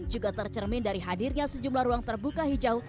juga tercermin dari hadirnya sejumlah ruang terbuka hijau